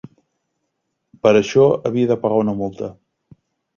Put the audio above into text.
Per això havia de pagar una multa.